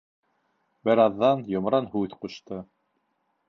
Бер аҙҙан йомран һүҙ ҡушты.